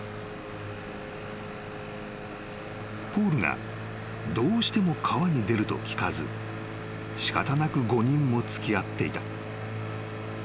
［ポールがどうしても川に出ると聞かず仕方なく５人も付き合っていた］